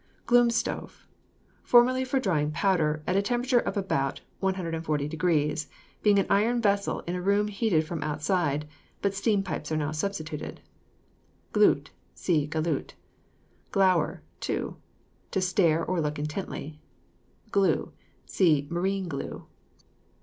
GLOOM STOVE. Formerly for drying powder, at a temperature of about 140┬░; being an iron vessel in a room heated from outside, but steam pipes are now substituted. GLOOT. See GALOOT. GLOWER, TO. To stare or look intently. GLUE. See MARINE GLUE.